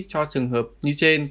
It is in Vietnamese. cho trường hợp như trên